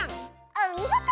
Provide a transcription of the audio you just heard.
おみごと！